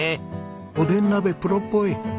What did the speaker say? おでん鍋プロっぽい。